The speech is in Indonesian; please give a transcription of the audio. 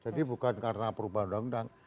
jadi bukan karena perubahan undang undang